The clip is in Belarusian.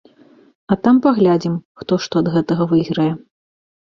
А там паглядзім, хто што ад гэтага выйграе.